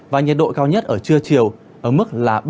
và nhiệt độ cao nhất ở trưa chiều